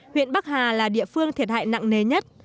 huyện bắc hà là địa phương thiệt hại nặng nề nhất